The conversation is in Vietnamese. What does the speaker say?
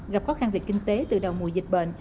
gặp khó khăn về kinh tế từ đầu mùa dịch bệnh